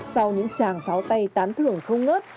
sau những tràng pháo tay tán thưởng không ngớt